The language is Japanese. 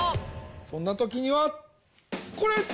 そんなときにはこれ！